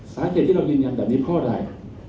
สาเหตุที่เรายืนยันแบบนี้เพราะอะไร